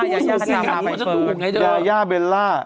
ยายาเบลล่า